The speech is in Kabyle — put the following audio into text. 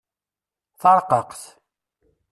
Tareqqaqt.